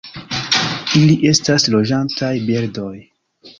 Ili estas loĝantaj birdoj.